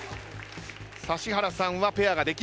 指原さんはペアができました。